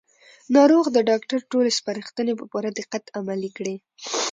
ناروغ د ډاکټر ټولې سپارښتنې په پوره دقت عملي کړې